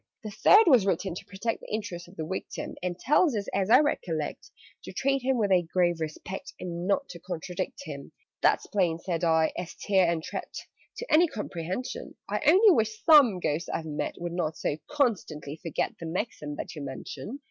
"The Third was written to protect The interests of the Victim, And tells us, as I recollect, To treat him with a grave respect, And not to contradict him." "That's plain," said I, "as Tare and Tret, To any comprehension: I only wish some Ghosts I've met Would not so constantly forget The maxim that you mention!"